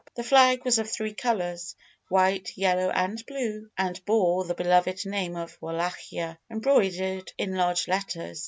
The flag was of three colours, white, yellow, and blue, and bore the beloved name of 'Wallachia,' embroidered in large letters.